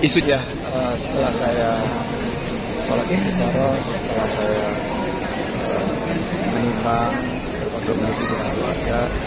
setelah saya sholat istiqaroh setelah saya menikah konservasi dengan keluarga